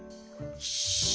よし。